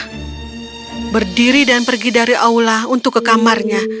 dia berdiri dan pergi dari aula untuk ke kamarnya